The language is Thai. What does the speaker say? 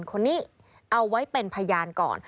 คนนี้เอาไว้เป็นพยานก่อน